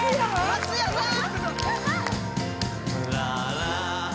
松也さん？